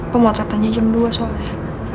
pemotretannya jam dua soalnya